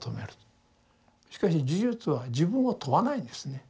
しかし呪術は自分を問わないんですね。